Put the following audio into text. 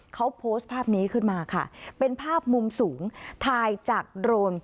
เขาโพสต์ภาพนี้ขึ้นมาค่ะเป็นภาพมุมสูงถ่ายจากโดรน